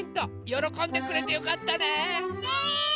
よろこんでくれてよかったね！ねぇ！